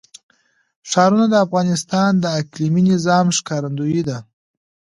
ښارونه د افغانستان د اقلیمي نظام ښکارندوی ده.